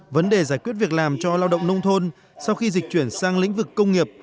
vấn đề giải quyết việc làm cho lao động nông thôn sau khi dịch chuyển sang lĩnh vực công nghiệp